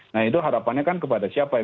nah itu harapannya kan kepada siapa